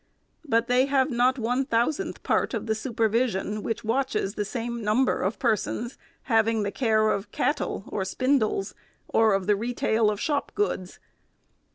But they have not one thousandth part of the supervision which watches the same number of persons, having the care of cattle or spindles, or of the retail of shop goods.